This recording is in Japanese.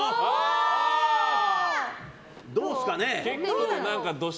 どうですかね？